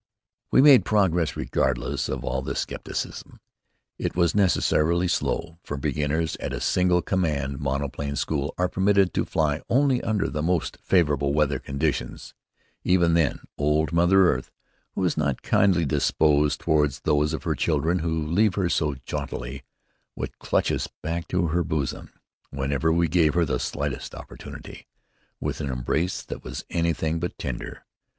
We made progress regardless of all this skepticism. It was necessarily slow, for beginners at a single command monoplane school are permitted to fly only under the most favorable weather conditions. Even then, old Mother Earth, who is not kindly disposed toward those of her children who leave her so jauntily, would clutch us back to her bosom, whenever we gave her the slightest opportunity, with an embrace that was anything but tender.